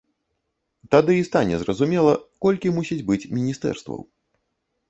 Тады і стане зразумела, колькі мусіць быць міністэрстваў.